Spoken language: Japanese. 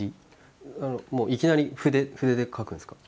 もういきなり筆で描くんですか？